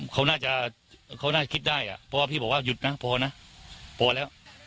เขาน่าจะเขาน่าคิดได้อ่ะเพราะว่าพี่บอกว่าหยุดนะพอนะพอแล้ว